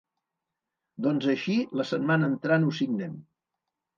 Doncs així la setmana entrant ho signem.